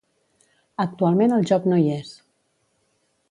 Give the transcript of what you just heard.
Actualment el joc no hi és.